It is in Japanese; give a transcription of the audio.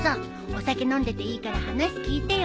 お酒飲んでていいから話聞いてよ。